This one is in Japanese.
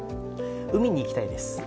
海に行きたいです。